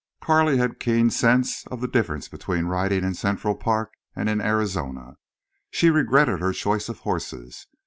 Carley had keen sense of the difference between riding in Central Park and in Arizona. She regretted her choice of horses.